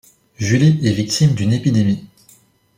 Julie est victime d’une épidémie.